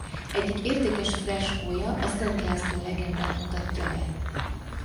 Egyik értékes freskója a Szent László-legendát mutatja be.